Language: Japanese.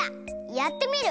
やってみる！